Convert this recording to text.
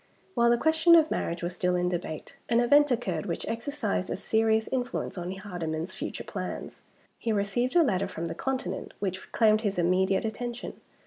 While the question of marriage was still in debate, an event occurred which exercised a serious influence on Hardyman's future plans. He received a letter from the Continent which claimed his immediate attention.